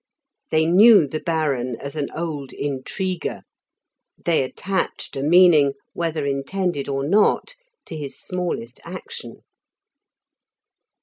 They knew the Baron as an old intriguer; they attached a meaning, whether intended or not, to his smallest action.